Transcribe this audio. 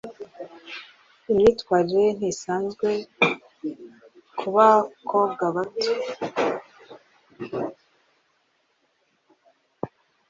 Imyitwarire ye ntisanzwe kubakobwa bato.